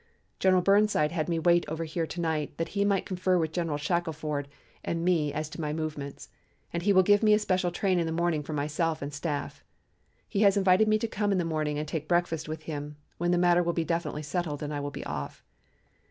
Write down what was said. General Burnside had me wait over here to night that he might confer with General Shackelford and me as to my movements, and he will give me a special train in the morning for myself and staff. He has invited me to come in the morning and take breakfast with him, when the matter will be definitely settled and I will be off.